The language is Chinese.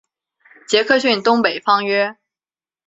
杰克逊东北方约。